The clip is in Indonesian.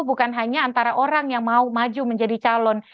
bukan hanya antara orang yang mau maju menjadi calon